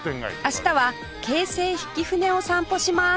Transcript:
明日は京成曳舟を散歩します